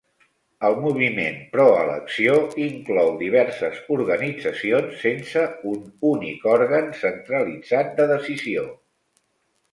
El moviment pro-elecció inclou diverses organitzacions, sense un únic òrgan centralitzat de decisió.